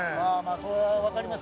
そりゃ分かります！